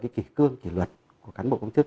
kỷ cương kỷ luật của cán bộ công chức